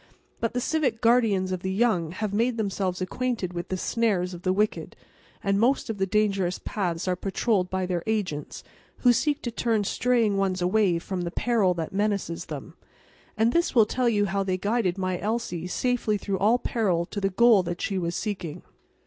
But the civic guardians of the young have made themselves acquainted with the snares of the wicked, and most of the dangerous paths are patrolled by their agents, who seek to turn straying ones away from the peril that menaces them. And this will tell you how they guided my Elsie safely through all peril to the goal that she was seeking.